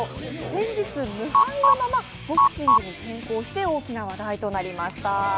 先日無敗のままボクシングに転向して大きな話題となりました。